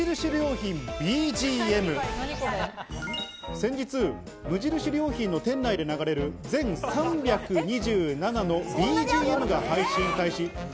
先日、無印良品の店内で流れる全３２７のＢＧＭが配信開始。